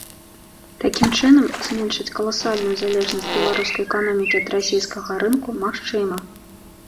Такім чынам, зменшыць каласальную залежнасць беларускай эканомікі ад расейскага рынку магчыма.